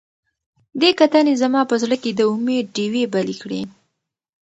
دې کتنې زما په زړه کې د امید ډیوې بلې کړې.